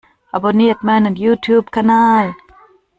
Abonniert meinen YouTube-Kanal!